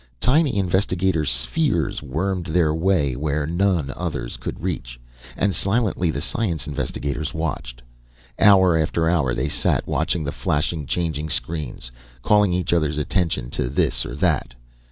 Tiny investigator spheres wormed their way where none others could reach, and silently the science investigators watched. Hour after hour they sat watching the flashing, changing screens, calling each other's attention to this, or that.